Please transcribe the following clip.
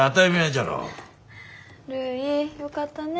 よかったね。